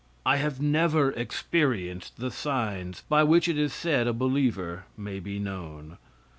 I have never experienced the signs by which it is said a believer may be known.